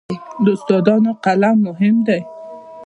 د استادانو قلم مهم دی.